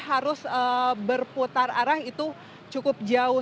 harus berputar arah itu cukup jauh